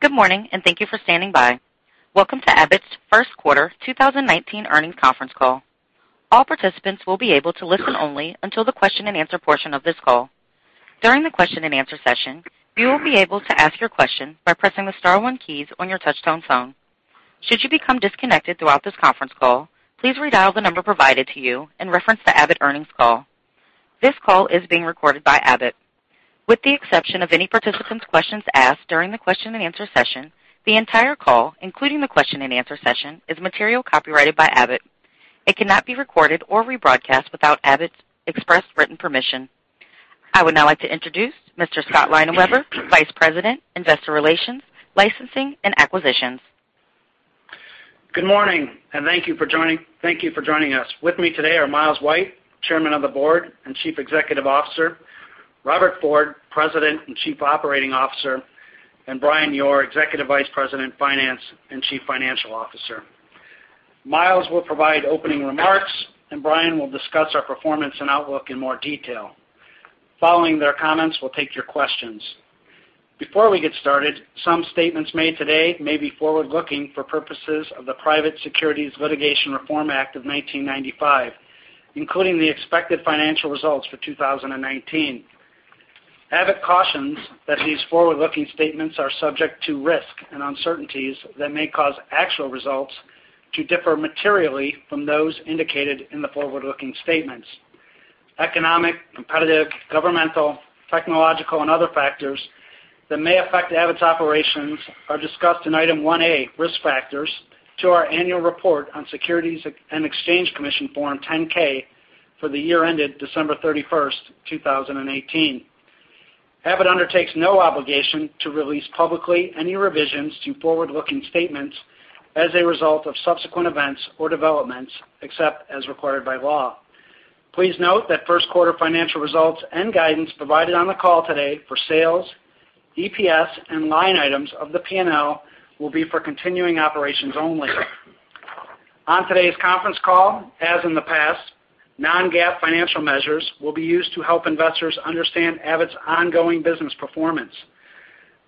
Good morning, and thank you for standing by. Welcome to Abbott's first quarter 2019 earnings conference call. All participants will be able to listen only until the question and answer portion of this call. During the question and answer session, you will be able to ask your question by pressing the star one keys on your touchtone phone. Should you become disconnected throughout this conference call, please redial the number provided to you and reference the Abbott earnings call. This call is being recorded by Abbott. With the exception of any participant's questions asked during the question and answer session, the entire call, including the question and answer session, is material copyrighted by Abbott. It cannot be recorded or rebroadcast without Abbott's express written permission. I would now like to introduce Mr. Scott Leinenweber, Vice President, Investor Relations, Licensing and Acquisitions. Good morning, and thank you for joining us. With me today are Miles White, Chairman of the Board and Chief Executive Officer, Robert Ford, President and Chief Operating Officer, and Brian Yoor, Executive Vice President, Finance and Chief Financial Officer. Miles will provide opening remarks, and Brian will discuss our performance and outlook in more detail. Following their comments, we'll take your questions. Before we get started, some statements made today may be forward-looking for purposes of the Private Securities Litigation Reform Act of 1995, including the expected financial results for 2019. Abbott cautions that these forward-looking statements are subject to risk and uncertainties that may cause actual results to differ materially from those indicated in the forward-looking statements. Economic, competitive, governmental, technological, and other factors that may affect Abbott's operations are discussed in Item 1A, Risk Factors, to our annual report on Securities and Exchange Commission Form 10-K for the year ended December 31st, 2018. Abbott undertakes no obligation to release publicly any revisions to forward-looking statements as a result of subsequent events or developments, except as required by law. Please note that first quarter financial results and guidance provided on the call today for sales, EPS, and line items of the P&L will be for continuing operations only. On today's conference call, as in the past, non-GAAP financial measures will be used to help investors understand Abbott's ongoing business performance.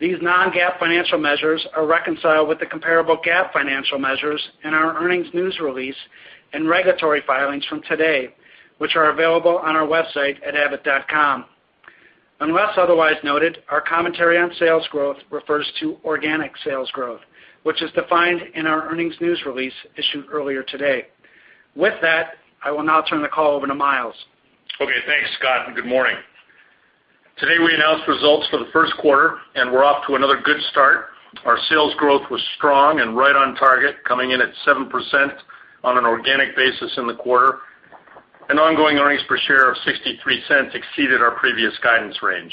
These non-GAAP financial measures are reconciled with the comparable GAAP financial measures in our earnings news release and regulatory filings from today, which are available on our website at abbott.com. Unless otherwise noted, our commentary on sales growth refers to organic sales growth, which is defined in our earnings news release issued earlier today. With that, I will now turn the call over to Miles. Okay, thanks, Scott, and good morning. Today, we announced results for the first quarter, we're off to another good start. Our sales growth was strong and right on target, coming in at 7% on an organic basis in the quarter. Ongoing earnings per share of $0.63 exceeded our previous guidance range.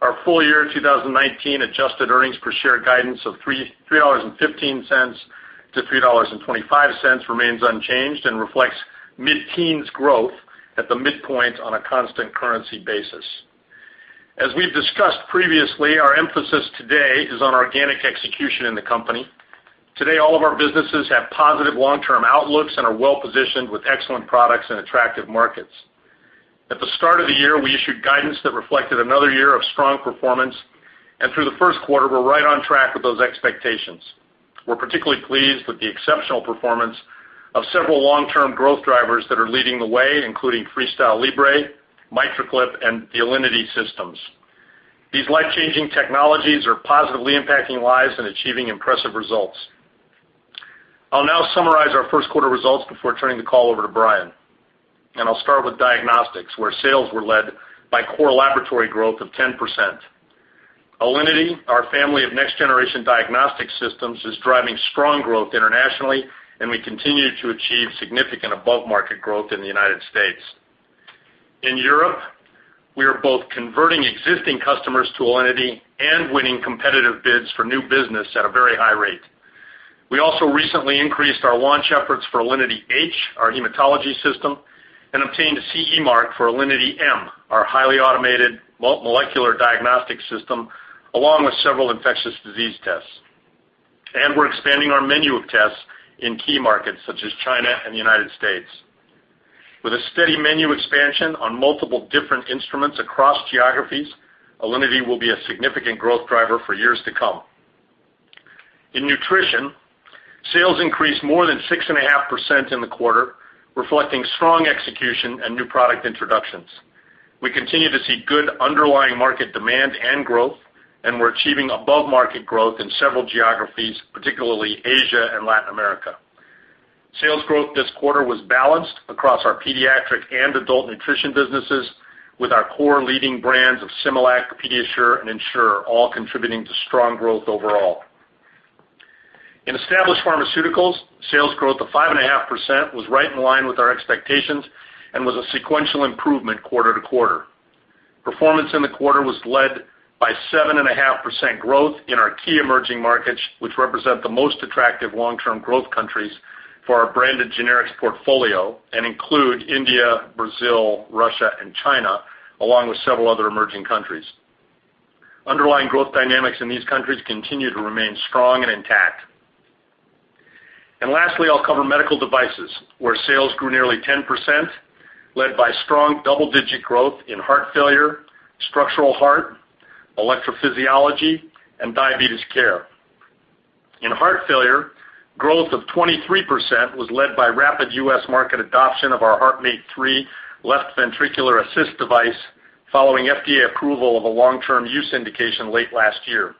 Our full year 2019 adjusted earnings per share guidance of $3.15 to $3.25 remains unchanged and reflects mid-teens growth at the midpoint on a constant currency basis. As we've discussed previously, our emphasis today is on organic execution in the company. Today, all of our businesses have positive long-term outlooks and are well-positioned with excellent products and attractive markets. At the start of the year, we issued guidance that reflected another year of strong performance, and through the first quarter, we're right on track with those expectations. We're particularly pleased with the exceptional performance of several long-term growth drivers that are leading the way, including FreeStyle Libre, MitraClip, and the Alinity Systems. These life-changing technologies are positively impacting lives and achieving impressive results. I'll now summarize our first quarter results before turning the call over to Brian. I'll start with diagnostics, where sales were led by core laboratory growth of 10%. Alinity, our family of next-generation diagnostic systems, is driving strong growth internationally, and we continue to achieve significant above-market growth in the U.S. In Europe, we are both converting existing customers to Alinity and winning competitive bids for new business at a very high rate. We also recently increased our launch efforts for Alinity h, our hematology system, and obtained a CE mark for Alinity m, our highly automated molecular diagnostics system, along with several infectious disease tests. We're expanding our menu of tests in key markets such as China and the U.S. With a steady menu expansion on multiple different instruments across geographies, Alinity will be a significant growth driver for years to come. In nutrition, sales increased more than 6.5% in the quarter, reflecting strong execution and new product introductions. We continue to see good underlying market demand and growth, and we're achieving above-market growth in several geographies, particularly Asia and Latin America. Sales growth this quarter was balanced across our pediatric and adult nutrition businesses with our core leading brands of Similac, PediaSure, and Ensure all contributing to strong growth overall. In Established Pharmaceuticals, sales growth of 5.5% was right in line with our expectations and was a sequential improvement quarter to quarter. Performance in the quarter was led by 7.5% growth in our key emerging markets, which represent the most attractive long-term growth countries for our branded generics portfolio and include India, Brazil, Russia, and China, along with several other emerging countries. Underlying growth dynamics in these countries continue to remain strong and intact. Lastly, I'll cover medical devices, where sales grew nearly 10%, led by strong double-digit growth in heart failure, Structural Heart, electrophysiology, and diabetes care. In heart failure, growth of 23% was led by rapid U.S. market adoption of our HeartMate 3 left ventricular assist device following FDA approval of a long-term use indication late last year.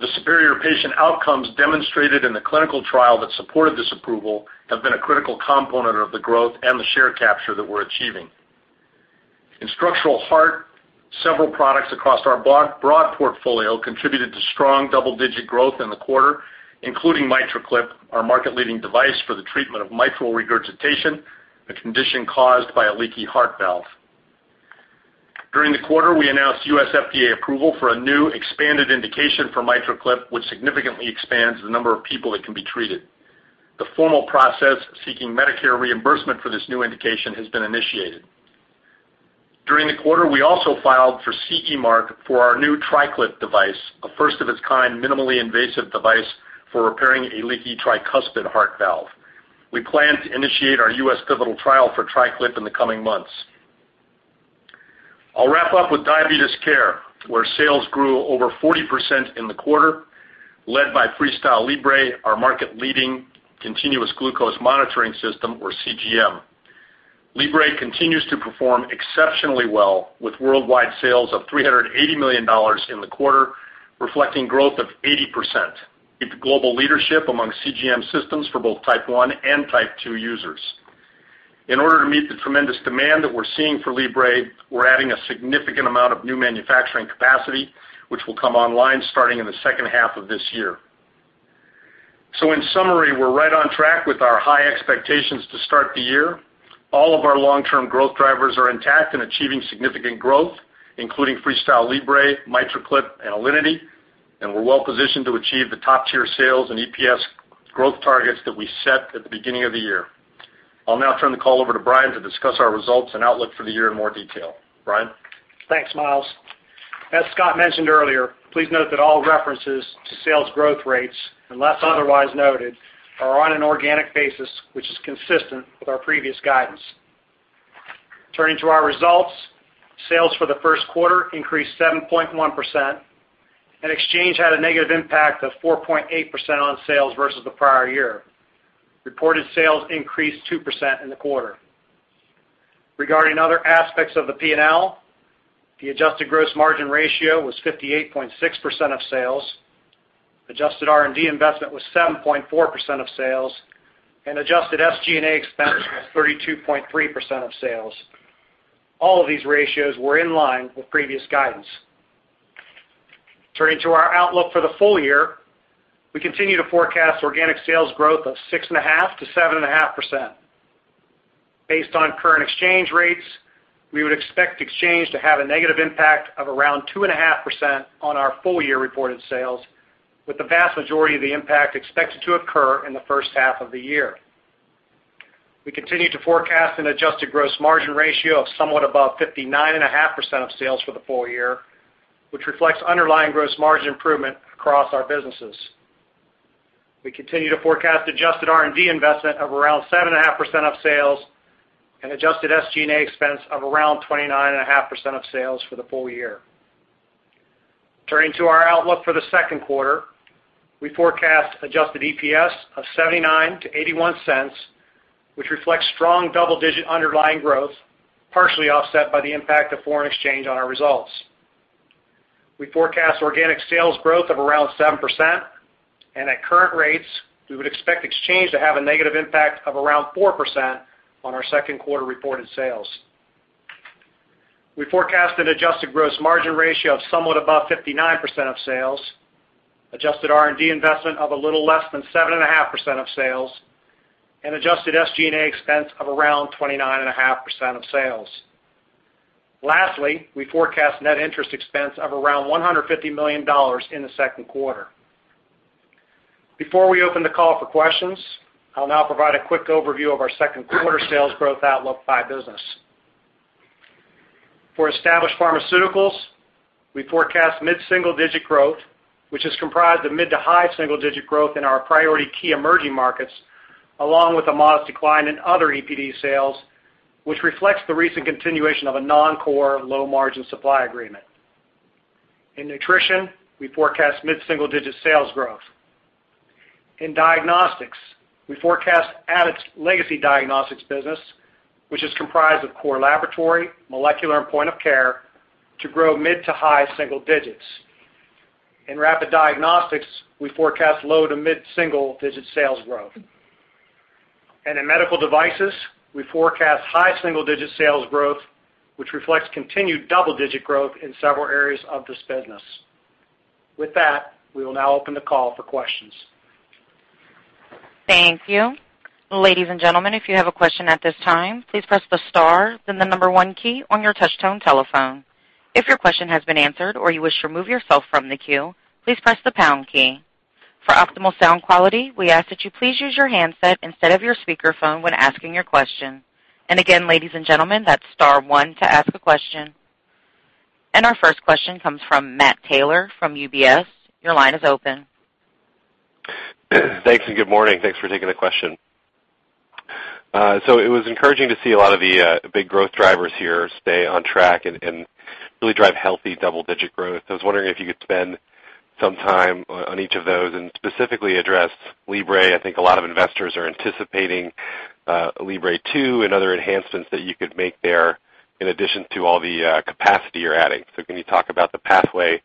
The superior patient outcomes demonstrated in the clinical trial that supported this approval have been a critical component of the growth and the share capture that we're achieving. In Structural Heart, several products across our broad portfolio contributed to strong double-digit growth in the quarter, including MitraClip, our market-leading device for the treatment of mitral regurgitation, a condition caused by a leaky heart valve. During the quarter, we announced U.S. FDA approval for a new expanded indication for MitraClip, which significantly expands the number of people that can be treated. The formal process seeking Medicare reimbursement for this new indication has been initiated. During the quarter, we also filed for CE mark for our new TriClip device, a first-of-its-kind, minimally invasive device for repairing a leaky tricuspid heart valve. We plan to initiate our U.S. pivotal trial for TriClip in the coming months. I'll wrap up with diabetes care, where sales grew over 40% in the quarter, led by FreeStyle Libre, our market-leading continuous glucose monitoring system, or CGM. Libre continues to perform exceptionally well, with worldwide sales of $380 million in the quarter, reflecting growth of 80%. It's global leadership among CGM systems for both type 1 and type 2 users. In order to meet the tremendous demand that we're seeing for Libre, we're adding a significant amount of new manufacturing capacity, which will come online starting in the second half of this year. In summary, we're right on track with our high expectations to start the year. All of our long-term growth drivers are intact in achieving significant growth, including FreeStyle Libre, MitraClip, and Alinity, and we're well positioned to achieve the top-tier sales and EPS growth targets that we set at the beginning of the year. I'll now turn the call over to Brian Yoor to discuss our results and outlook for the year in more detail. Brian? Thanks, Miles. As Scott mentioned earlier, please note that all references to sales growth rates, unless otherwise noted, are on an organic basis, which is consistent with our previous guidance. Turning to our results, sales for the first quarter increased 7.1%, and exchange had a negative impact of 4.8% on sales versus the prior year. Reported sales increased 2% in the quarter. Regarding other aspects of the P&L, the adjusted gross margin ratio was 58.6% of sales, adjusted R&D investment was 7.4% of sales, and adjusted SG&A expense was 32.3% of sales. All of these ratios were in line with previous guidance. Turning to our outlook for the full year, we continue to forecast organic sales growth of 6.5%-7.5%. Based on current exchange rates, we would expect exchange to have a negative impact of around 2.5% on our full-year reported sales, with the vast majority of the impact expected to occur in the first half of the year. We continue to forecast an adjusted gross margin ratio of somewhat above 59.5% of sales for the full year, which reflects underlying gross margin improvement across our businesses. We continue to forecast adjusted R&D investment of around 7.5% of sales and adjusted SG&A expense of around 29.5% of sales for the full year. Turning to our outlook for the second quarter, we forecast adjusted EPS of $0.79-$0.81, which reflects strong double-digit underlying growth, partially offset by the impact of foreign exchange on our results. We forecast organic sales growth of around 7%, and at current rates, we would expect exchange to have a negative impact of around 4% on our second quarter reported sales. We forecast an adjusted gross margin ratio of somewhat above 59% of sales, adjusted R&D investment of a little less than 7.5% of sales, and adjusted SG&A expense of around 29.5% of sales. Lastly, we forecast net interest expense of around $150 million in the second quarter. Before we open the call for questions, I'll now provide a quick overview of our second quarter sales growth outlook by business. For Established Pharmaceuticals, we forecast mid-single digit growth, which is comprised of mid to high single digit growth in our priority key emerging markets, along with a modest decline in other EPD sales, which reflects the recent continuation of a non-core, low margin supply agreement. In nutrition, we forecast mid-single digit sales growth. In diagnostics, we forecast Abbott's legacy diagnostics business, which is comprised of core laboratory, molecular, and point of care, to grow mid to high single digits. In rapid diagnostics, we forecast low to mid-single digit sales growth. In medical devices, we forecast high single digit sales growth, which reflects continued double-digit growth in several areas of this business. With that, we will now open the call for questions. Thank you. Ladies and gentlemen, if you have a question at this time, please press the star, then the number 1 key on your touchtone telephone. If your question has been answered or you wish to remove yourself from the queue, please press the pound key. For optimal sound quality, we ask that you please use your handset instead of your speakerphone when asking your question. Again, ladies and gentlemen, that's star 1 to ask a question. Our first question comes from Matthew Taylor from UBS. Your line is open. Thanks, good morning. Thanks for taking the question. It was encouraging to see a lot of the big growth drivers here stay on track and really drive healthy double-digit growth. I was wondering if you could spend some time on each of those and specifically address Libre. I think a lot of investors are anticipating Libre 2 and other enhancements that you could make there in addition to all the capacity you're adding. Can you talk about the pathway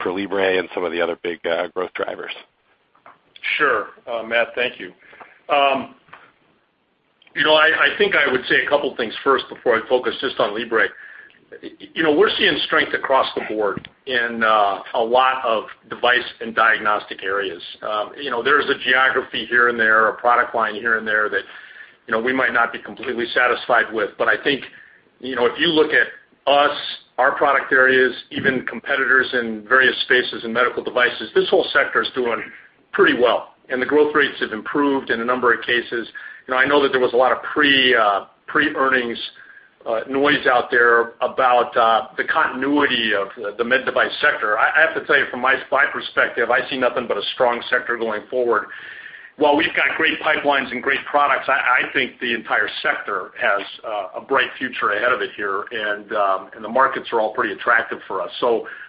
for Libre and some of the other big growth drivers? Sure. Matt, thank you. I think I would say a couple of things first before I focus just on Libre. We're seeing strength across the board in a lot of device and diagnostic areas. There's a geography here and there, a product line here and there that we might not be completely satisfied with. I think, if you look at us, our product areas, even competitors in various spaces in medical devices, this whole sector is doing pretty well, and the growth rates have improved in a number of cases. I know that there was a lot of pre-earnings noise out there about the continuity of the med device sector. I have to tell you from my perspective, I see nothing but a strong sector going forward. While we've got great pipelines and great products, I think the entire sector has a bright future ahead of it here, and the markets are all pretty attractive for us.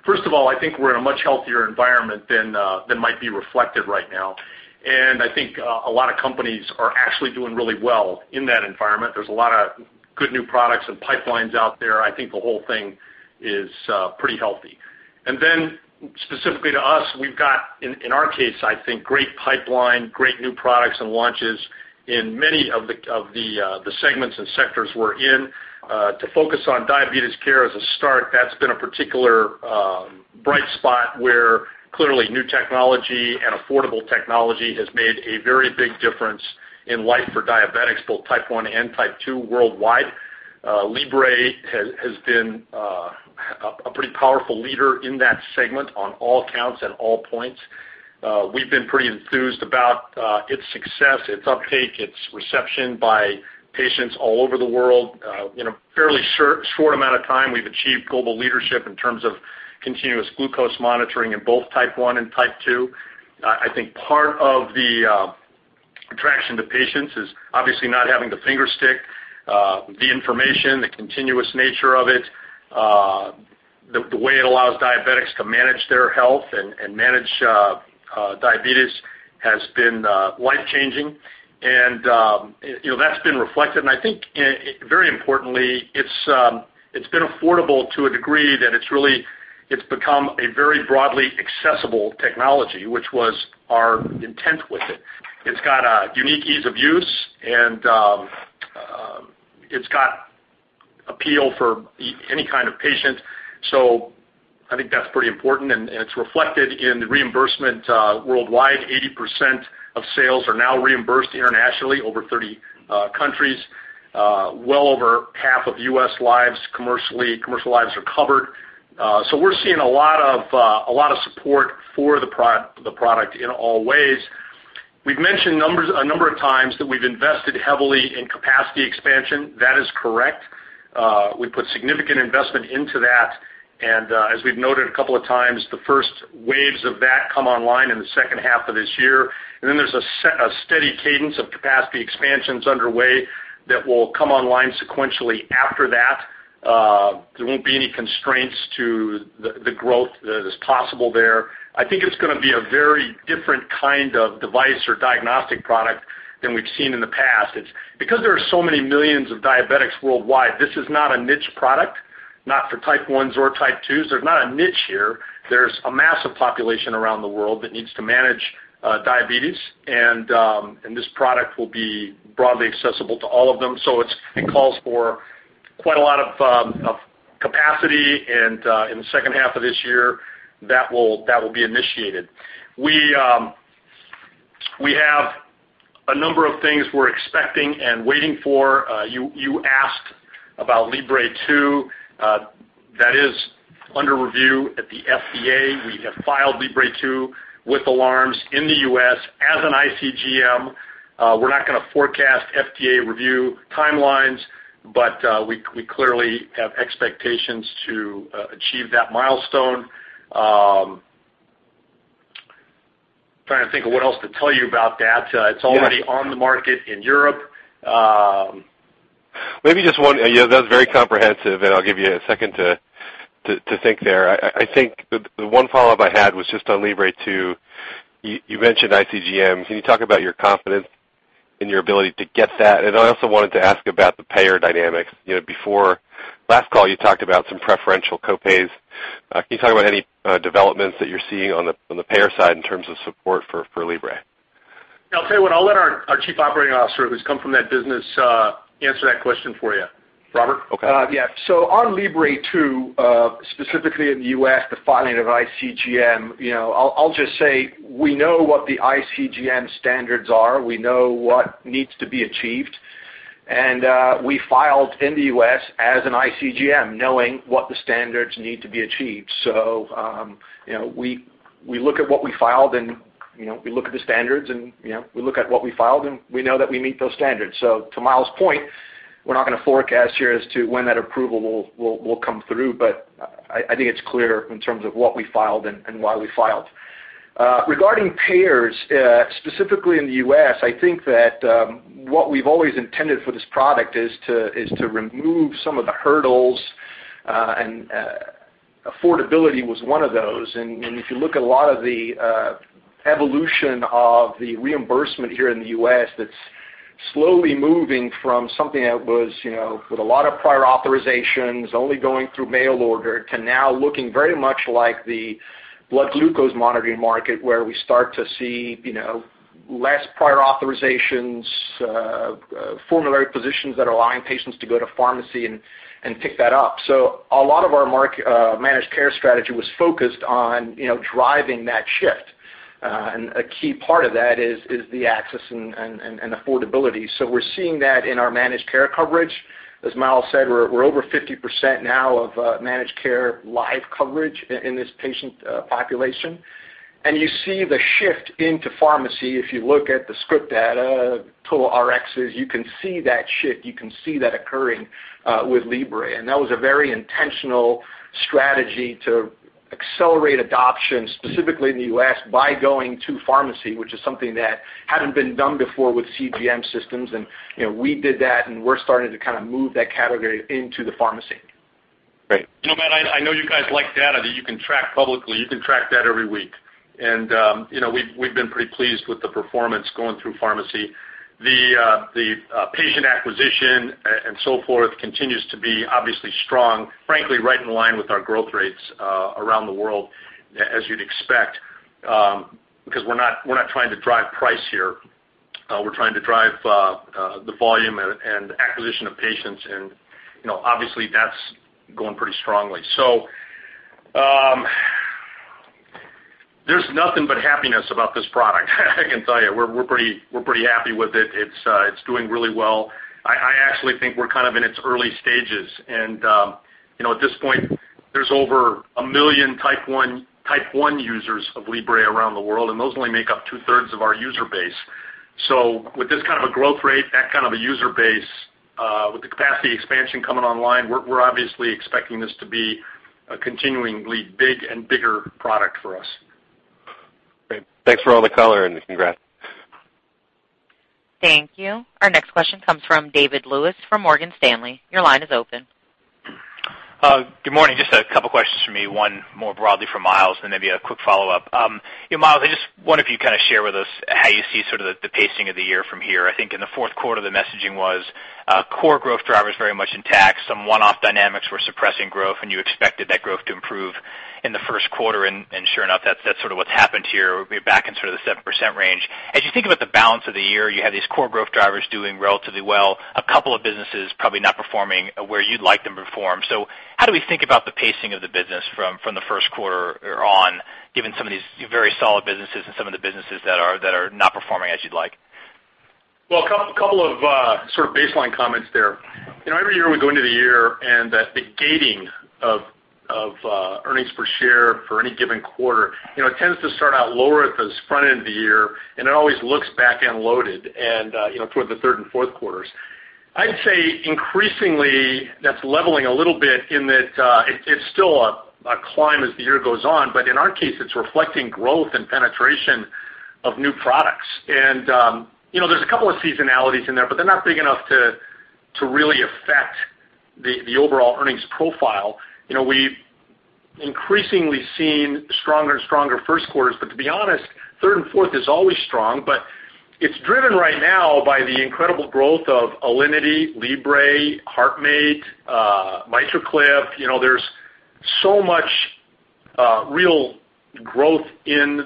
First of all, I think we're in a much healthier environment than might be reflected right now. I think a lot of companies are actually doing really well in that environment. There's a lot of good new products and pipelines out there. I think the whole thing is pretty healthy. Specifically to us, we've got, in our case, I think, great pipeline, great new products and launches in many of the segments and sectors we're in. To focus on diabetes care as a start, that's been a particular bright spot where clearly new technology and affordable technology has made a very big difference in life for diabetics, both type 1 and type 2 worldwide. Libre has been a pretty powerful leader in that segment on all counts and all points. We've been pretty enthused about its success, its uptake, its reception by patients all over the world. In a fairly short amount of time, we've achieved global leadership in terms of continuous glucose monitoring in both type 1 and type 2. I think part of the attraction to patients is obviously not having to finger stick. The information, the continuous nature of it, the way it allows diabetics to manage their health and manage diabetes has been life-changing, and that's been reflected. I think very importantly, it's been affordable to a degree that it's become a very broadly accessible technology, which was our intent with it. It's got a unique ease of use and it's got appeal for any kind of patient. I think that's pretty important, and it's reflected in the reimbursement worldwide. 80% of sales are now reimbursed internationally, over 30 countries. Well over half of U.S. lives commercially, commercial lives are covered. We're seeing a lot of support for the product in all ways. We've mentioned a number of times that we've invested heavily in capacity expansion. That is correct. We put significant investment into that. As we've noted a couple of times, the first waves of that come online in the second half of this year. Then there's a steady cadence of capacity expansions underway that will come online sequentially after that. There won't be any constraints to the growth that is possible there. I think it's going to be a very different kind of device or diagnostic product than we've seen in the past. Because there are so many millions of diabetics worldwide, this is not a niche product, not for type 1s or type 2s. There's not a niche here. There's a massive population around the world that needs to manage diabetes, and this product will be broadly accessible to all of them. It calls for quite a lot of capacity, and in the second half of this year, that will be initiated. We have a number of things we're expecting and waiting for. You asked about Libre 2. That is under review at the FDA. We have filed Libre 2 with alarms in the U.S. as an iCGM. We're not going to forecast FDA review timelines, but we clearly have expectations to achieve that milestone. I'm trying to think of what else to tell you about that. It's already on the market in Europe. Maybe just one. That was very comprehensive, and I'll give you a second to think there. I think the one follow-up I had was just on Libre 2. You mentioned iCGM. Can you talk about your confidence in your ability to get that? I also wanted to ask about the payer dynamics. Before last call, you talked about some preferential co-pays. Can you talk about any developments that you're seeing on the payer side in terms of support for Libre? I'll tell you what, I'll let our Chief Operating Officer, who's come from that business, answer that question for you. Robert? Okay. Yeah. On Libre 2, specifically in the U.S., the filing of iCGM, I'll just say we know what the iCGM standards are. We know what needs to be achieved. We filed in the U.S. as an iCGM, knowing what the standards need to be achieved. We look at what we filed and We look at the standards and we look at what we filed, and we know that we meet those standards. To Miles' point, we're not going to forecast here as to when that approval will come through. I think it's clear in terms of what we filed and why we filed. Regarding payers, specifically in the U.S., I think that what we've always intended for this product is to remove some of the hurdles. Affordability was one of those. If you look at a lot of the evolution of the reimbursement here in the U.S., that's slowly moving from something that was with a lot of prior authorizations, only going through mail order, to now looking very much like the blood glucose monitoring market, where we start to see less prior authorizations, formulary positions that are allowing patients to go to pharmacy and pick that up. A lot of our managed care strategy was focused on driving that shift. A key part of that is the access and affordability. We're seeing that in our managed care coverage. As Miles said, we're over 50% now of managed care live coverage in this patient population. You see the shift into pharmacy. If you look at the script data, total RXs, you can see that shift. You can see that occurring with Libre. That was a very intentional strategy to accelerate adoption, specifically in the U.S., by going to pharmacy, which is something that hadn't been done before with CGM systems, and we did that, and we're starting to kind of move that category into the pharmacy. Great. Matt, I know you guys like data that you can track publicly. You can track that every week. We've been pretty pleased with the performance going through pharmacy. The patient acquisition and so forth continues to be obviously strong, frankly, right in line with our growth rates around the world, as you'd expect because we're not trying to drive price here. We're trying to drive the volume and acquisition of patients, and obviously, that's going pretty strongly. There's nothing but happiness about this product, I can tell you. We're pretty happy with it. It's doing really well. I actually think we're kind of in its early stages. At this point, there's over 1 million Type 1 users of Libre around the world, and those only make up two-thirds of our user base. With this kind of a growth rate, that kind of a user base, with the capacity expansion coming online, we're obviously expecting this to be a continuingly big and bigger product for us. Great. Thanks for all the color and congrats. Thank you. Our next question comes from David Lewis from Morgan Stanley. Your line is open. Good morning. Just a couple of questions from me, one more broadly for Miles, and then maybe a quick follow-up. Miles, I just wonder if you'd kind of share with us how you see sort of the pacing of the year from here. I think in the fourth quarter, the messaging was core growth drivers very much intact. Some one-off dynamics were suppressing growth, and you expected that growth to improve in the first quarter. Sure enough, that's sort of what's happened here. We'll be back in sort of the 7% range. As you think about the balance of the year, you have these core growth drivers doing relatively well, a couple of businesses probably not performing where you'd like them to perform. How do we think about the pacing of the business from the first quarter on, given some of these very solid businesses and some of the businesses that are not performing as you'd like? A couple of sort of baseline comments there. Every year we go into the year and the gating of earnings per share for any given quarter tends to start out lower at the front end of the year, and it always looks back-end loaded and toward the third and fourth quarters. I'd say increasingly that's leveling a little bit in that it's still a climb as the year goes on, but in our case, it's reflecting growth and penetration of new products. There's a couple of seasonalities in there, but they're not big enough to really affect the overall earnings profile. We've increasingly seen stronger and stronger first quarters, but to be honest, third and fourth is always strong, but it's driven right now by the incredible growth of Alinity, Libre, HeartMate, MitraClip. There's so much real growth in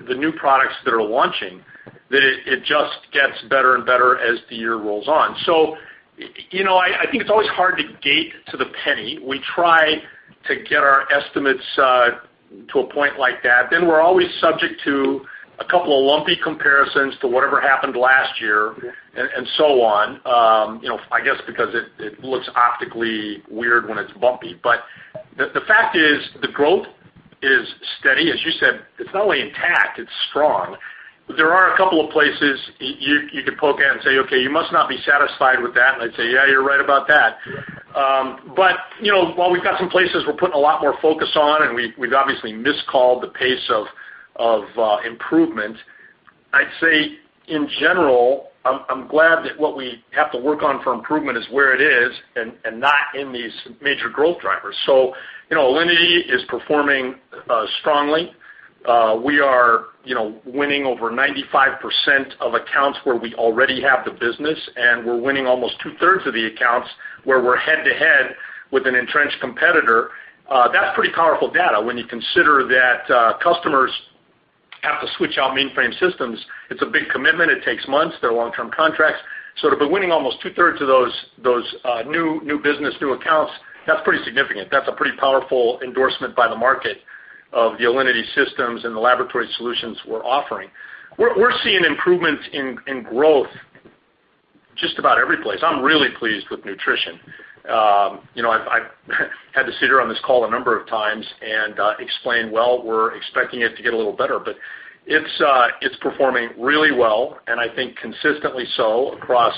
the new products that are launching that it just gets better and better as the year rolls on. I think it's always hard to gate to the penny. We try to get our estimates to a point like that. We're always subject to a couple of lumpy comparisons to whatever happened last year and so on. I guess because it looks optically weird when it's bumpy. The fact is, the growth is steady. As you said, it's not only intact, it's strong. There are a couple of places you could poke at and say, "Okay, you must not be satisfied with that." I'd say, "Yeah, you're right about that." While we've got some places we're putting a lot more focus on and we've obviously miscalled the pace of improvement, I'd say, in general, I'm glad that what we have to work on for improvement is where it is and not in these major growth drivers. Alinity is performing strongly. We are winning over 95% of accounts where we already have the business, and we're winning almost two-thirds of the accounts where we're head-to-head with an entrenched competitor. That's pretty powerful data when you consider that customers have to switch out mainframe systems. It's a big commitment. It takes months. They're long-term contracts. To be winning almost two-thirds of those new business, new accounts, that's pretty significant. That's a pretty powerful endorsement by the market of the Alinity systems and the laboratory solutions we're offering. We're seeing improvements in growth just about every place. I'm really pleased with nutrition. I've had to sit here on this call a number of times and explain, well, we're expecting it to get a little better, but it's performing really well, and I think consistently so across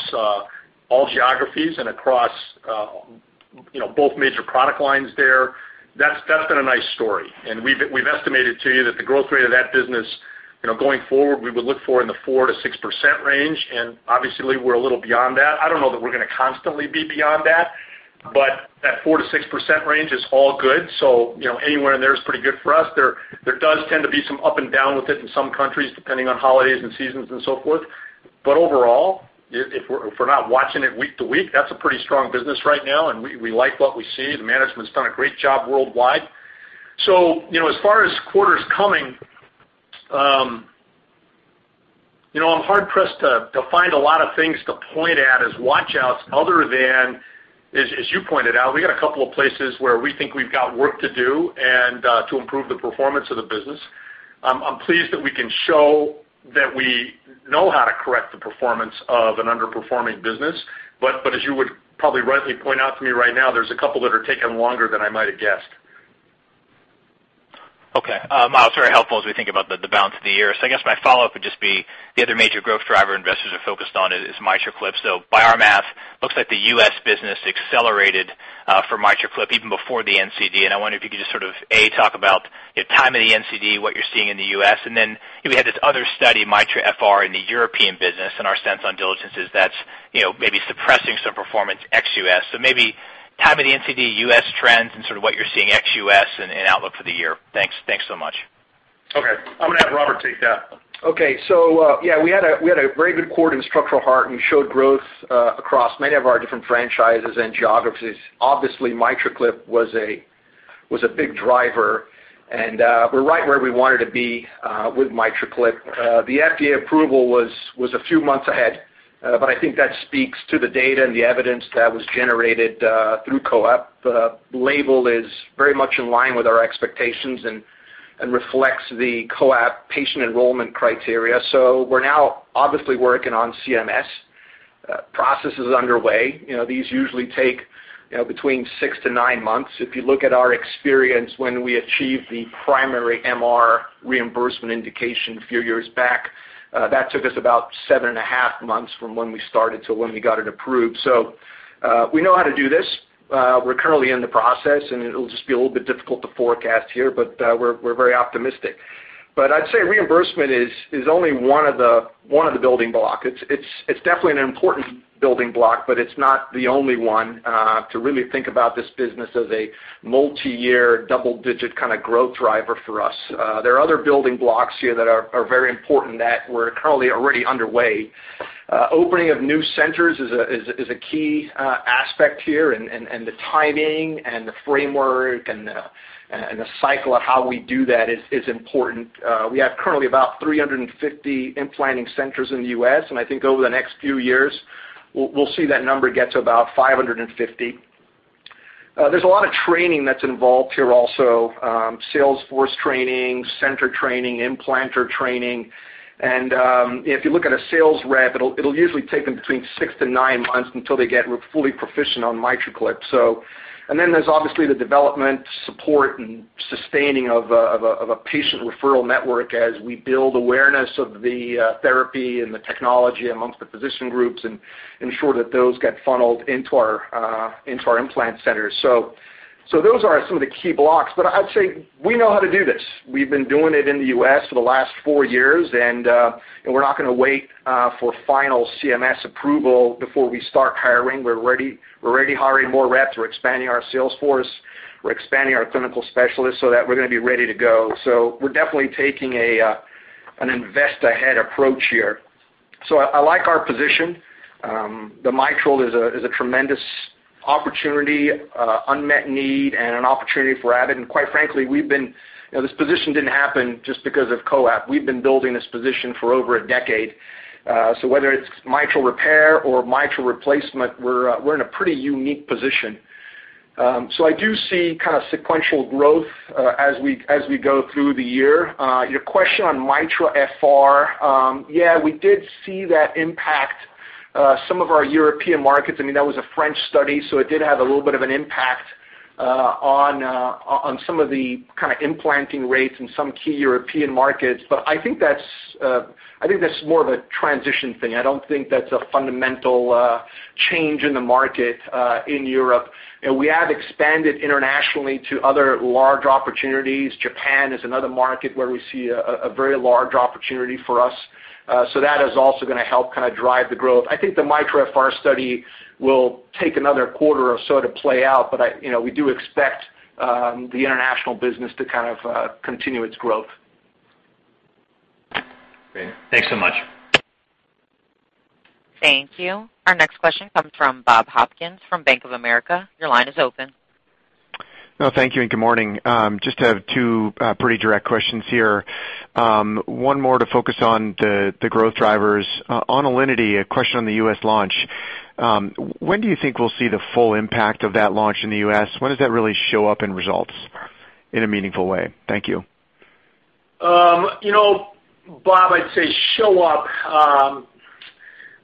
all geographies and across both major product lines there. That's been a nice story. We've estimated to you that the growth rate of that business going forward, we would look for in the 4%-6% range, and obviously we're a little beyond that. I don't know that we're going to constantly be beyond that, but that 4%-6% range is all good. Anywhere in there is pretty good for us. There does tend to be some up and down with it in some countries, depending on holidays and seasons and so forth. Overall, if we're not watching it week to week, that's a pretty strong business right now, and we like what we see. The management's done a great job worldwide. As far as quarters coming, I'm hard pressed to find a lot of things to point at as watch outs other than, as you pointed out, we got a couple of places where we think we've got work to do and to improve the performance of the business. I'm pleased that we can show that we know how to correct the performance of an underperforming business. As you would probably rightly point out to me right now, there's a couple that are taking longer than I might have guessed. Okay. Miles, very helpful as we think about the balance of the year. I guess my follow-up would just be the other major growth driver investors are focused on is MitraClip. By our math, looks like the U.S. business accelerated for MitraClip even before the NCD, and I wonder if you could just sort of, A, talk about timing of the NCD, what you're seeing in the U.S., and then we had this other study, MITRA-FR, in the European business, and our sense on diligence is that's maybe suppressing some performance ex-U.S. Maybe timing the NCD U.S. trends and sort of what you're seeing ex-U.S. and outlook for the year. Thanks so much. Okay. I'm going to have Robert take that. Yeah, we had a very good quarter in structural heart. We showed growth across many of our different franchises and geographies. Obviously, MitraClip was a big driver, and we're right where we wanted to be with MitraClip. The FDA approval was a few months ahead, but I think that speaks to the data and the evidence that was generated through COAPT. The label is very much in line with our expectations and reflects the COAPT patient enrollment criteria. We're now obviously working on CMS. Process is underway. These usually take between six to nine months. If you look at our experience when we achieved the primary MR reimbursement indication a few years back, that took us about seven and a half months from when we started to when we got it approved. We know how to do this. We're currently in the process. It'll just be a little bit difficult to forecast here, but we're very optimistic. I'd say reimbursement is only one of the building blocks. It's definitely an important building block, but it's not the only one to really think about this business as a multi-year, double-digit kind of growth driver for us. There are other building blocks here that are very important that were currently already underway. Opening of new centers is a key aspect here, and the timing and the framework and the cycle of how we do that is important. We have currently about 350 implanting centers in the U.S., and I think over the next few years, we'll see that number get to about 550. There's a lot of training that's involved here also. Sales force training, center training, implanter training. If you look at a sales rep, it'll usually take them between six to nine months until they get fully proficient on MitraClip. There's obviously the development support and sustaining of a patient referral network as we build awareness of the therapy and the technology amongst the physician groups and ensure that those get funneled into our implant centers. Those are some of the key blocks. I'd say we know how to do this. We've been doing it in the U.S. for the last four years, and we're not going to wait for final CMS approval before we start hiring. We're already hiring more reps. We're expanding our sales force. We're expanding our clinical specialists so that we're going to be ready to go. We're definitely taking an invest ahead approach here. I like our position. The mitral is a tremendous opportunity, unmet need, and an opportunity for Abbott. Quite frankly, this position didn't happen just because of COAPT. We've been building this position for over a decade. Whether it's mitral repair or mitral replacement, we're in a pretty unique position. I do see kind of sequential growth as we go through the year. Your question on MITRA-FR, we did see that impact some of our European markets. That was a French study, it did have a little bit of an impact on some of the kind of implanting rates in some key European markets. I think that's more of a transition thing. I don't think that's a fundamental change in the market in Europe. We have expanded internationally to other large opportunities. Japan is another market where we see a very large opportunity for us. That is also going to help kind of drive the growth. I think the MITRA-FR study will take another quarter or so to play out, but we do expect the international business to kind of continue its growth. Great. Thanks so much. Thank you. Our next question comes from Bob Hopkins from Bank of America. Your line is open. Thank you. Good morning. Just have two pretty direct questions here. One more to focus on the growth drivers. On Alinity, a question on the U.S. launch. When do you think we'll see the full impact of that launch in the U.S.? When does that really show up in results in a meaningful way? Thank you. Bob, I'd say show up.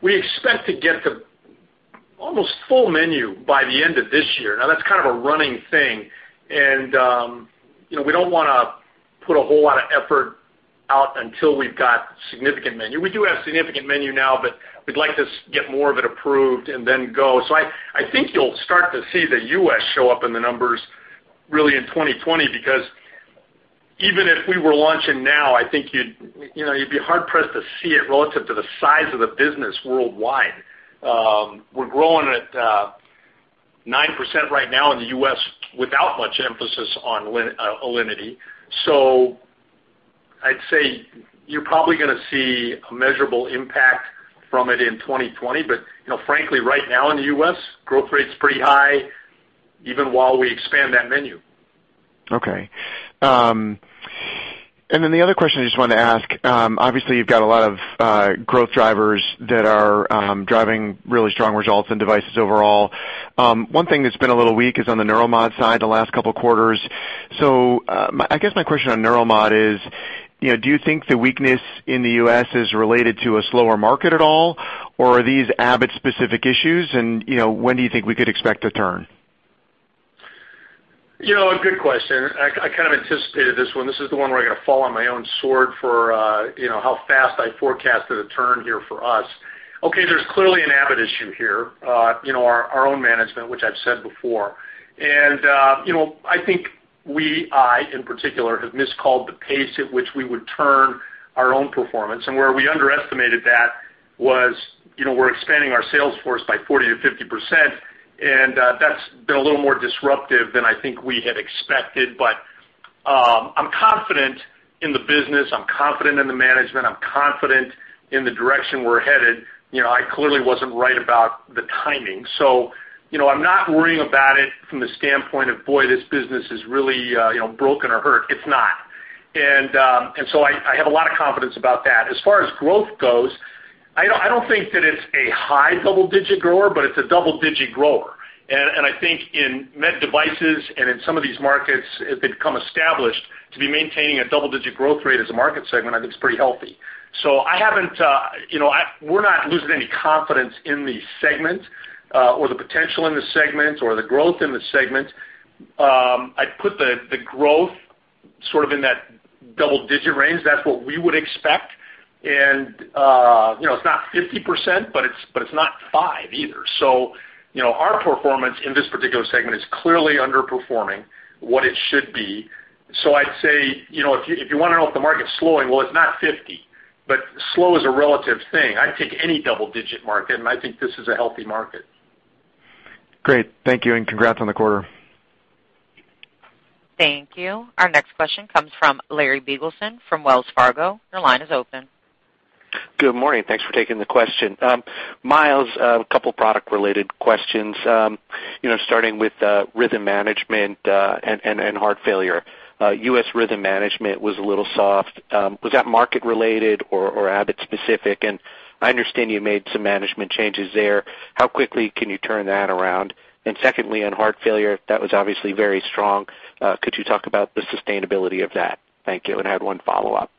We expect to get to almost full menu by the end of this year. That's kind of a running thing, and we don't want to put a whole lot of effort out until we've got significant menu. We do have a significant menu now, we'd like to get more of it approved and then go. I think you'll start to see the U.S. show up in the numbers really in 2020, because even if we were launching now, I think you'd be hard-pressed to see it relative to the size of the business worldwide. We're growing at 9% right now in the U.S. without much emphasis on Alinity. I'd say you're probably going to see a measurable impact from it in 2020. Frankly, right now in the U.S., growth rate's pretty high, even while we expand that menu. Okay. The other question I just wanted to ask, obviously you've got a lot of growth drivers that are driving really strong results in devices overall. One thing that's been a little weak is on the neuromod side the last couple of quarters. I guess my question on neuromod is, do you think the weakness in the U.S. is related to a slower market at all? Are these Abbott-specific issues? When do you think we could expect a turn? A good question. I kind of anticipated this one. This is the one where I got to fall on my own sword for how fast I forecasted a turn here for us. Okay, there's clearly an Abbott issue here, our own management, which I've said before. I think we, I in particular, have miscalled the pace at which we would turn our own performance. Where we underestimated that was we're expanding our sales force by 40%-50%, and that's been a little more disruptive than I think we had expected. I'm confident in the business, I'm confident in the management, I'm confident in the direction we're headed. I clearly wasn't right about the timing. I'm not worrying about it from the standpoint of, boy, this business is really broken or hurt. It's not. I have a lot of confidence about that. As far as growth goes, I don't think that it's a high double-digit grower, it's a double-digit grower. I think in med devices and in some of these markets, as they become established to be maintaining a double-digit growth rate as a market segment, I think it's pretty healthy. We're not losing any confidence in the segment or the potential in the segment or the growth in the segment. I'd put the growth sort of in that double-digit range. That's what we would expect, it's not 50%, it's not five either. Our performance in this particular segment is clearly underperforming what it should be. I'd say, if you want to know if the market's slowing, well, it's not 50%, slow is a relative thing. I'd take any double-digit market, I think this is a healthy market. Great. Thank you, and congrats on the quarter. Thank you. Our next question comes from Larry Biegelsen from Wells Fargo. Your line is open. Good morning. Thanks for taking the question. Miles, a couple product-related questions, starting with rhythm management and heart failure. U.S. rhythm management was a little soft. Was that market-related or Abbott specific? I understand you made some management changes there. How quickly can you turn that around? Secondly, on heart failure, that was obviously very strong. Could you talk about the sustainability of that? Thank you, and I have one follow-up.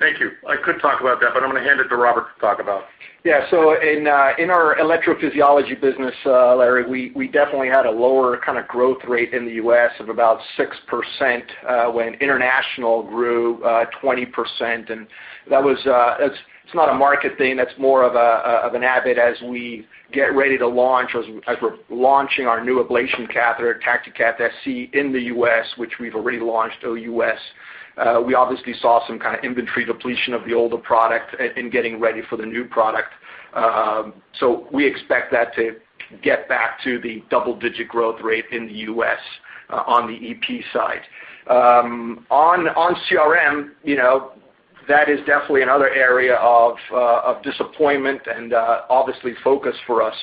Thank you. I could talk about that, but I'm going to hand it to Robert to talk about. Yeah. In our electrophysiology business, Larry, we definitely had a lower kind of growth rate in the U.S. of about 6% when international grew 20%. That's not a market thing, that's more of an Abbott as we get ready to launch, as we're launching our new ablation catheter, TactiCath SC in the U.S., which we've already launched OUS. We obviously saw some kind of inventory depletion of the older product in getting ready for the new product. We expect that to get back to the double-digit growth rate in the U.S. on the EP side. On CRM, that is definitely another area of disappointment and obviously focus for us.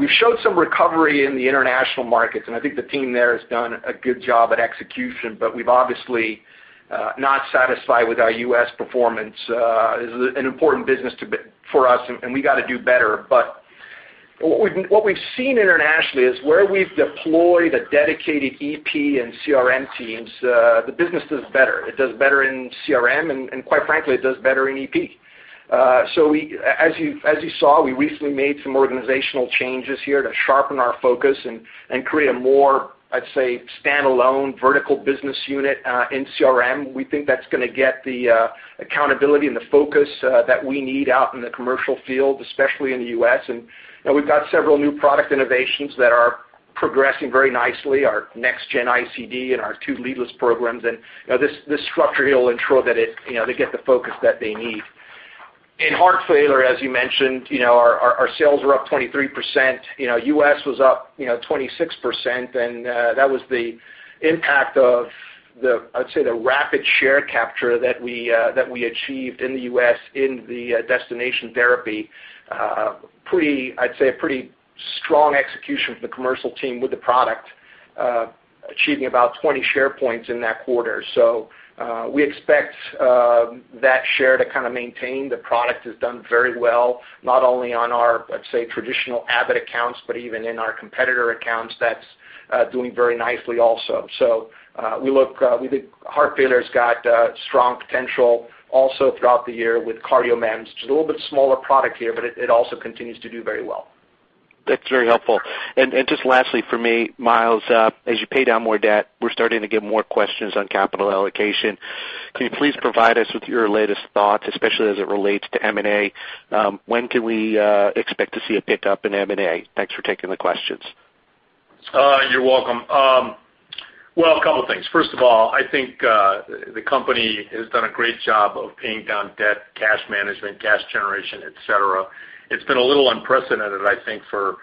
We've showed some recovery in the international markets, and I think the team there has done a good job at execution, we've obviously not satisfied with our U.S. performance. This is an important business for us, we got to do better. What we've seen internationally is where we've deployed a dedicated EP and CRM teams, the business does better. It does better in CRM and, quite frankly, it does better in EP. As you saw, we recently made some organizational changes here to sharpen our focus and create a more, I'd say, standalone vertical business unit in CRM. We think that's going to get the accountability and the focus that we need out in the commercial field, especially in the U.S. We've got several new product innovations that are progressing very nicely, our next gen ICD and our two leadless programs, this structure here will ensure that they get the focus that they need. In heart failure, as you mentioned, our sales were up 23%. U.S. was up 26%, that was the impact of the, I'd say, the rapid share capture that we achieved in the U.S. in the destination therapy. I'd say a pretty strong execution from the commercial team with the product, achieving about 20 share points in that quarter. We expect that share to kind of maintain. The product has done very well, not only on our, let's say, traditional Abbott accounts, but even in our competitor accounts that's Doing very nicely also. Heart failure's got strong potential also throughout the year with CardioMEMS. It's a little bit smaller product here, but it also continues to do very well. That's very helpful. Just lastly for me, Miles, as you pay down more debt, we're starting to get more questions on capital allocation. Can you please provide us with your latest thoughts, especially as it relates to M&A? When can we expect to see a pickup in M&A? Thanks for taking the questions. You're welcome. Well, a couple of things. First of all, I think the company has done a great job of paying down debt, cash management, cash generation, et cetera. It's been a little unprecedented, I think, for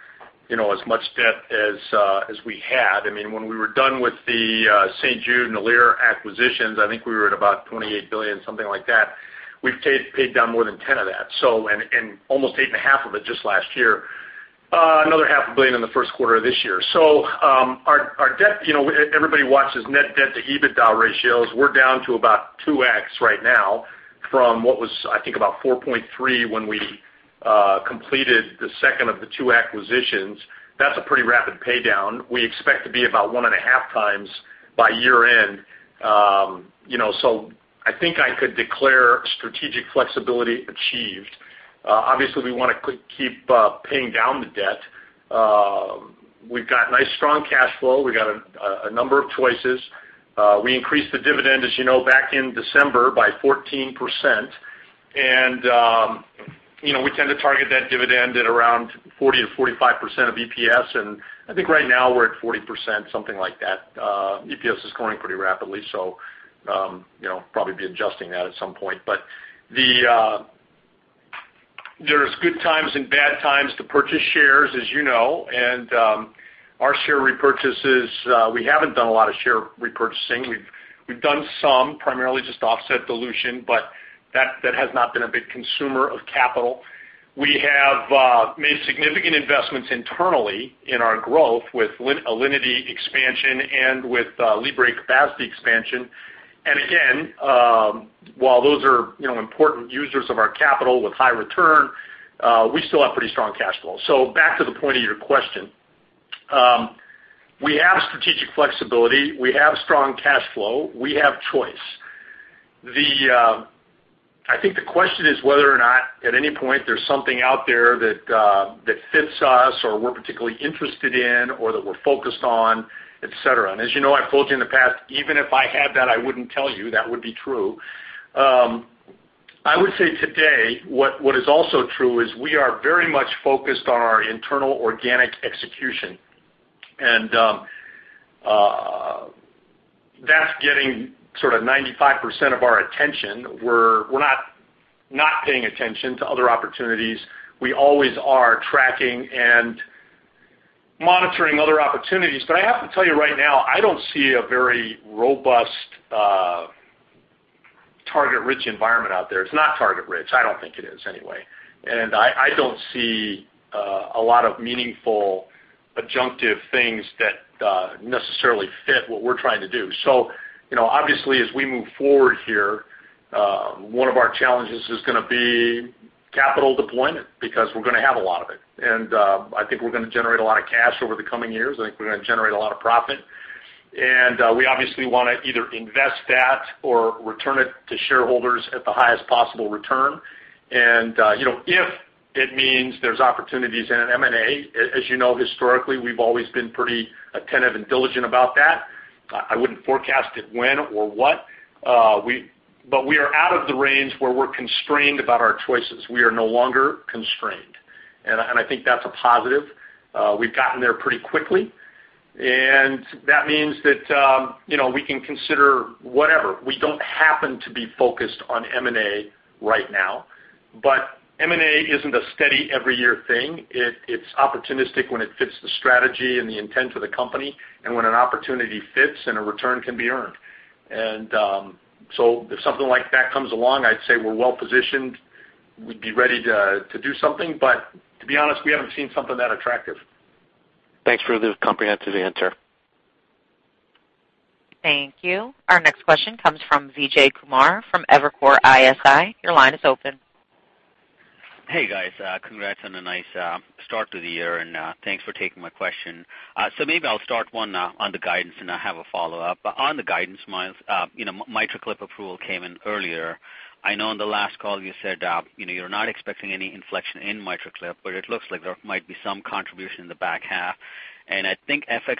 as much debt as we had. When we were done with the St. Jude and Alere acquisitions, I think we were at about $28 billion, something like that. We've paid down more than $10 of that, and almost $8.5 of it just last year. Another half a billion in the first quarter of this year. Everybody watches net debt to EBITDA ratios. We're down to about 2x right now from what was, I think, about 4.3 when we completed the second of the two acquisitions. That's a pretty rapid pay down. We expect to be about 1.5 times by year end. I think I could declare strategic flexibility achieved. Obviously, we want to keep paying down the debt. We've got nice strong cash flow. We got a number of choices. We increased the dividend, as you know, back in December by 14%. We tend to target that dividend at around 40%-45% of EPS. I think right now we're at 40%, something like that. EPS is growing pretty rapidly, so probably be adjusting that at some point. There's good times and bad times to purchase shares, as you know, and our share repurchases, we haven't done a lot of share repurchasing. We've done some, primarily just offset dilution, but that has not been a big consumer of capital. We have made significant investments internally in our growth with Alinity expansion and with Libre capacity expansion. Again, while those are important users of our capital with high return, we still have pretty strong cash flow. Back to the point of your question. We have strategic flexibility. We have strong cash flow. We have choice. I think the question is whether or not at any point there's something out there that fits us or we're particularly interested in or that we're focused on, et cetera. As you know, I've told you in the past, even if I had that, I wouldn't tell you. That would be true. I would say today what is also true is we are very much focused on our internal organic execution, and that's getting sort of 95% of our attention. We're not paying attention to other opportunities. We always are tracking and monitoring other opportunities. I have to tell you right now, I don't see a very robust target-rich environment out there. It's not target rich. I don't think it is anyway. I don't see a lot of meaningful adjunctive things that necessarily fit what we're trying to do. Obviously, as we move forward here, one of our challenges is going to be capital deployment, because we're going to have a lot of it. I think we're going to generate a lot of cash over the coming years. I think we're going to generate a lot of profit. We obviously want to either invest that or return it to shareholders at the highest possible return. If it means there's opportunities in an M&A, as you know, historically, we've always been pretty attentive and diligent about that. I wouldn't forecast it when or what. We are out of the range where we're constrained about our choices. We are no longer constrained. I think that's a positive. We've gotten there pretty quickly, and that means that we can consider whatever. We don't happen to be focused on M&A right now, but M&A isn't a steady every year thing. It's opportunistic when it fits the strategy and the intent of the company, and when an opportunity fits and a return can be earned. If something like that comes along, I'd say we're well positioned. We'd be ready to do something, but to be honest, we haven't seen something that attractive. Thanks for the comprehensive answer. Thank you. Our next question comes from Vijay Kumar from Evercore ISI. Your line is open. Hey, guys. Congrats on a nice start to the year, and thanks for taking my question. Maybe I'll start one on the guidance, and I have a follow-up. On the guidance, Miles, MitraClip approval came in earlier. I know on the last call you said you're not expecting any inflection in MitraClip, but it looks like there might be some contribution in the back half. I think FX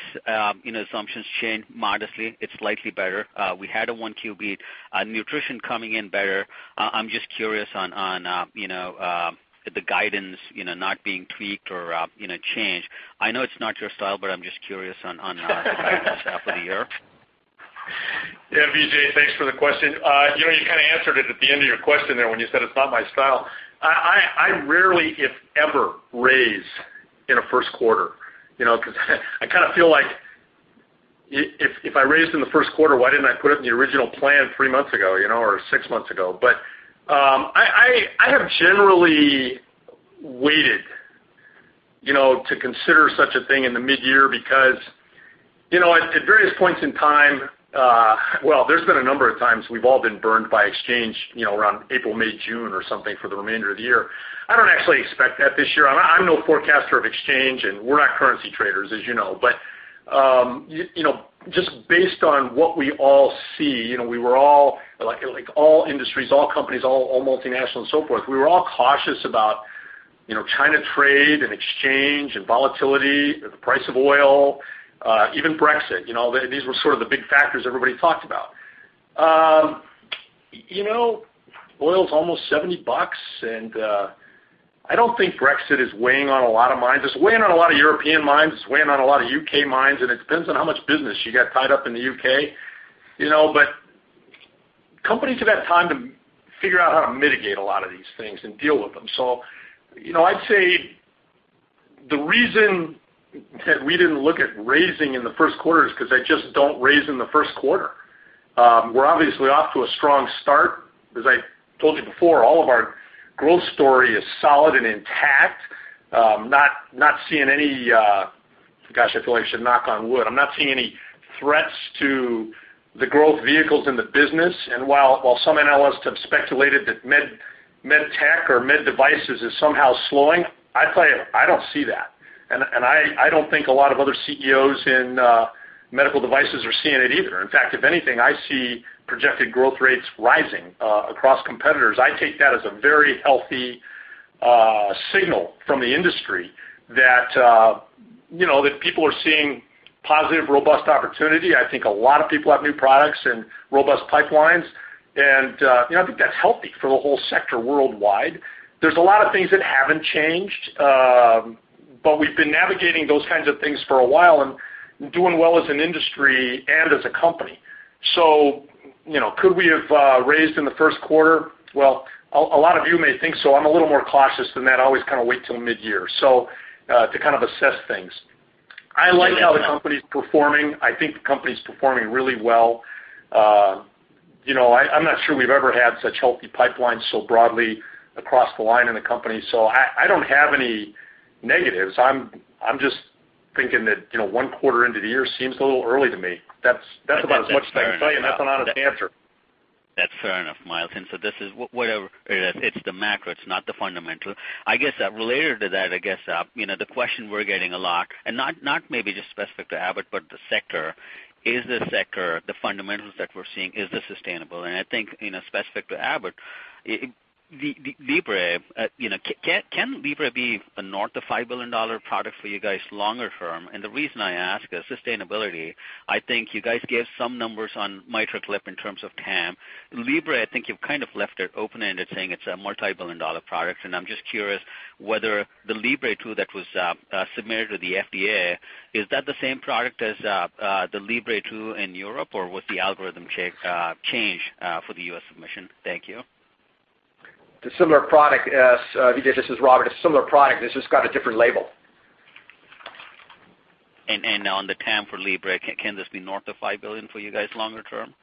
assumptions changed modestly. It's slightly better. We had a Q1 beat. Nutrition coming in better. I'm just curious on the guidance not being tweaked or changed. I know it's not your style, but I'm just curious on the guidance half of the year. Yeah, Vijay, thanks for the question. You kind of answered it at the end of your question there when you said it's not my style. I rarely, if ever, raise in a first quarter. I kind of feel like if I raised in the first quarter, why didn't I put it in the original plan three months ago or six months ago? I have generally waited to consider such a thing in the mid-year because at various points in time, well, there's been a number of times we've all been burned by exchange around April, May, June or something for the remainder of the year. I don't actually expect that this year. I'm no forecaster of exchange, and we're not currency traders, as you know. Just based on what we all see, like all industries, all companies, all multinational and so forth, we were all cautious about China trade and exchange and volatility, the price of oil, even Brexit. These were sort of the big factors everybody talked about. Oil is almost $70, and I don't think Brexit is weighing on a lot of minds. It's weighing on a lot of European minds, it's weighing on a lot of U.K. minds, and it depends on how much business you got tied up in the U.K. Companies have had time to figure out how to mitigate a lot of these things and deal with them. I'd say the reason that we didn't look at raising in the first quarter is because I just don't raise in the first quarter. We're obviously off to a strong start. As I told you before, all of our growth story is solid and intact. Gosh, I feel like I should knock on wood. I'm not seeing any threats to the growth vehicles in the business. While some analysts have speculated that med tech or med devices is somehow slowing, I tell you, I don't see that. I don't think a lot of other CEOs in medical devices are seeing it either. In fact, if anything, I see projected growth rates rising across competitors. I take that as a very healthy signal from the industry that people are seeing positive, robust opportunity. I think a lot of people have new products and robust pipelines, and I think that's healthy for the whole sector worldwide. We've been navigating those kinds of things for a while and doing well as an industry and as a company. Could we have raised in the first quarter? A lot of you may think so. I'm a little more cautious than that. I always wait till mid-year to assess things. I like how the company's performing. I think the company's performing really well. I'm not sure we've ever had such healthy pipelines so broadly across the line in the company. I don't have any negatives. I'm just thinking that one quarter into the year seems a little early to me. That's about as much as I can tell you, and that's an honest answer. That's fair enough, Miles. It's the macro, it's not the fundamental. I guess related to that, the question we're getting a lot, and not maybe just specific to Abbott, but the sector, is the sector, the fundamentals that we're seeing, is this sustainable? I think specific to Abbott, can Libre be a north of $5 billion product for you guys longer term? The reason I ask is sustainability. I think you guys gave some numbers on MitraClip in terms of TAM. Libre, I think you've kind of left it open-ended, saying it's a multi-billion dollar product, and I'm just curious whether the Libre 2 that was submitted to the FDA, is that the same product as the Libre 2 in Europe, or was the algorithm changed for the U.S. submission? Thank you. Vijay, this is Robert. A similar product, it's just got a different label. On the TAM for Libre, can this be north of $5 billion for you guys longer term?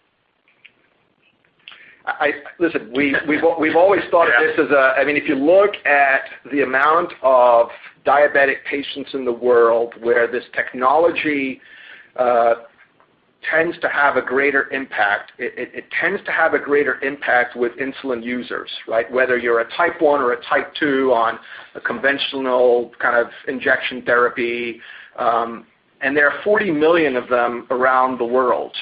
Listen, we've always thought of this as a. If you look at the amount of diabetic patients in the world where this technology tends to have a greater impact, it tends to have a greater impact with insulin users, whether you're a type 1 or a type 2 on a conventional kind of injection therapy, and there are 40 million of them around the world,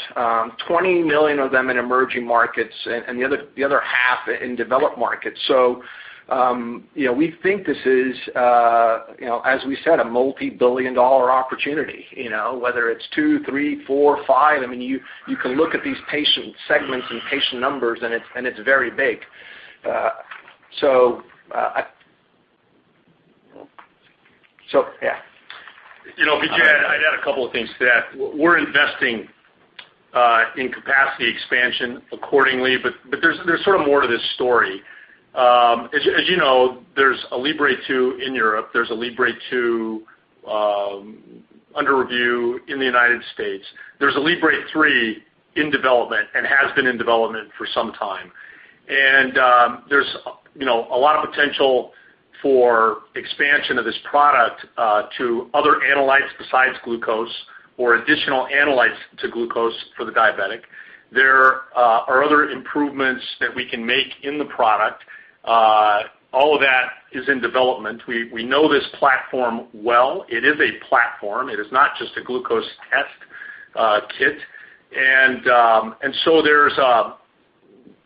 20 million of them in emerging markets and the other half in developed markets. We think this is, as we said, a $multi-billion opportunity, whether it's two, three, four, five. You can look at these patient segments and patient numbers, and it's very big. Yeah. Vijay, I'd add a couple of things to that. We're investing in capacity expansion accordingly, there's sort of more to this story. As you know, there's a Libre 2 in Europe. There's a Libre 2 under review in the U.S. There's a Libre 3 in development and has been in development for some time. There's a lot of potential for expansion of this product to other analytes besides glucose or additional analytes to glucose for the diabetic. There are other improvements that we can make in the product. All of that is in development. We know this platform well. It is a platform. It is not just a glucose test kit.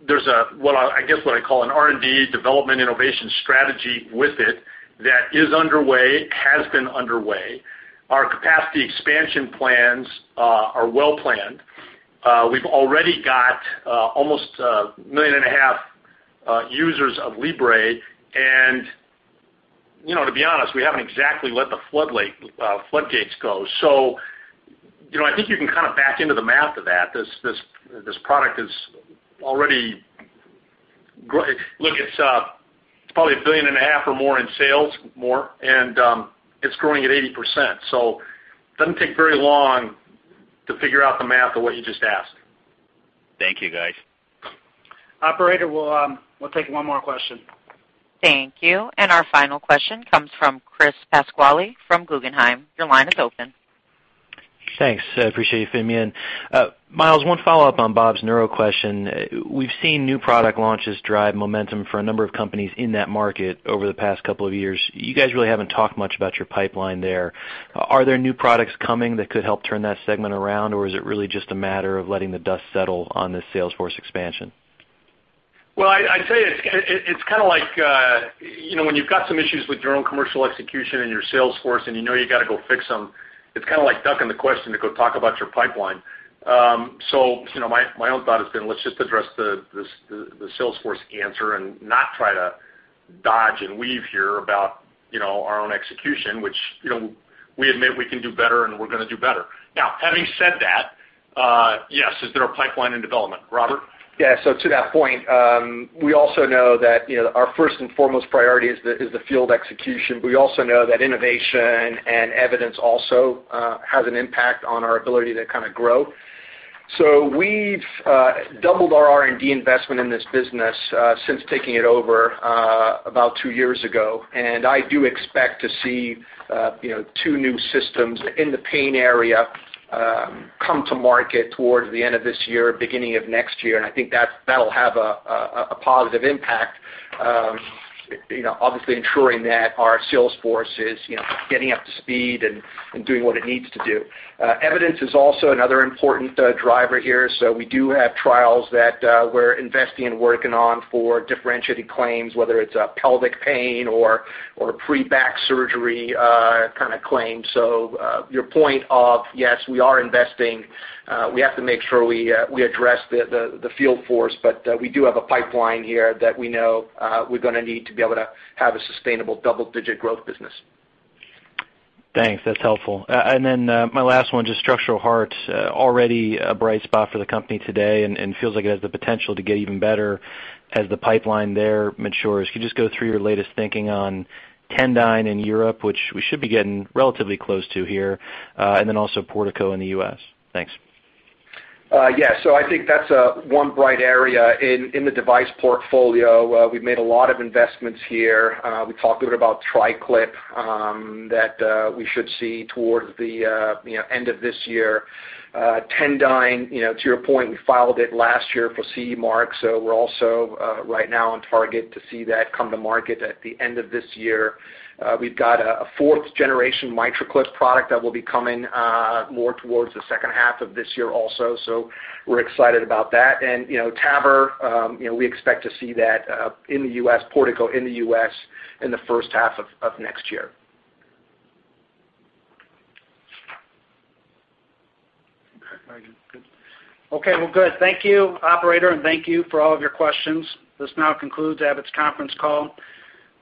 There's what I call an R&D development innovation strategy with it that is underway, has been underway. Our capacity expansion plans are well planned. We've already got almost 1.5 million users of Libre, and to be honest, we haven't exactly let the floodgates go. I think you can kind of back into the math of that. This product is probably $1.5 billion or more in sales, more, and it's growing at 80%. It doesn't take very long to figure out the math of what you just asked. Thank you, guys. Operator, we'll take one more question. Thank you. Our final question comes from Chris Pasquale from Guggenheim. Your line is open. Thanks. I appreciate you fitting me in. Miles, one follow-up on Bob's neuro question. We've seen new product launches drive momentum for a number of companies in that market over the past couple of years. You guys really haven't talked much about your pipeline there. Are there new products coming that could help turn that segment around? Or is it really just a matter of letting the dust settle on this salesforce expansion? I'd say it's kind of like when you've got some issues with your own commercial execution and your sales force, and you know you got to go fix them, it's kind of like ducking the question to go talk about your pipeline. My own thought has been let's just address the sales force answer and not try to dodge and weave here about our own execution, which we admit we can do better and we're going to do better. Having said that, yes, is there a pipeline in development? Robert? Yeah. To that point, we also know that our first and foremost priority is the field execution. We also know that innovation and evidence also has an impact on our ability to kind of grow. We've doubled our R&D investment in this business since taking it over about two years ago, and I do expect to see two new systems in the pain area come to market towards the end of this year, beginning of next year, and I think that will have a positive impact, obviously ensuring that our sales force is getting up to speed and doing what it needs to do. Evidence is also another important driver here. We do have trials that we're investing and working on for differentiated claims, whether it's a pelvic pain or a pre-back surgery kind of claim. Your point of, yes, we are investing, we have to make sure we address the field force, but we do have a pipeline here that we know we're going to need to be able to have a sustainable double-digit growth business. Thanks. That's helpful. My last one, just Structural Heart, already a bright spot for the company today and feels like it has the potential to get even better as the pipeline there matures. Could you just go through your latest thinking on Tendyne in Europe, which we should be getting relatively close to here, and also Portico in the U.S. Thanks. Yeah. I think that's one bright area in the device portfolio. We've made a lot of investments here. We talked a bit about TriClip that we should see towards the end of this year. Tendyne, to your point, we filed it last year for CE mark, we're also right now on target to see that come to market at the end of this year. We've got a fourth generation MitraClip product that will be coming more towards the second half of this year also. We're excited about that. TAVR, we expect to see that in the U.S., Portico in the U.S., in the first half of next year. Okay. Well, good. Thank you, operator, and thank you for all of your questions. This now concludes Abbott's conference call.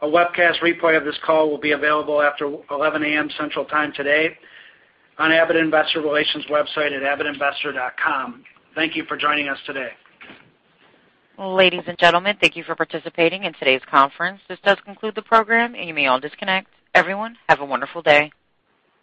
A webcast replay of this call will be available after 11:00 A.M. Central Time today on Abbott Investor Relations website at abbottinvestor.com. Thank you for joining us today. Ladies and gentlemen, thank you for participating in today's conference. This does conclude the program. You may all disconnect. Everyone, have a wonderful day.